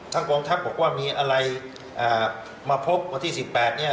ทั้งผมถ้าบอกว่ามีอะไรอ่ามาพบวันที่สิบแปดเนี้ย